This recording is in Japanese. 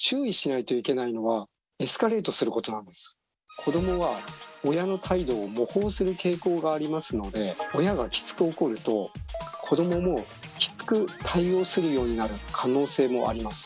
子どもは親の態度を模倣する傾向がありますので親がきつく怒ると子どももきつく対応するようになる可能性もあります。